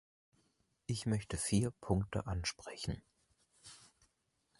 Ich möchte vier Punkte ansprechen.